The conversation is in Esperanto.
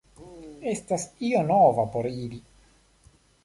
Estas io nova por ili.